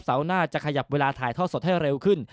หน้าจะขยับเวลาถ่ายทอดสดให้เร็วขึ้น